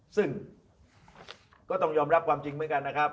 ซึ่งก็ต้องยอมรับความจริงเหมือนกันนะครับ